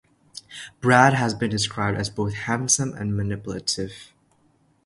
Brad has been described as both handsome and manipulative.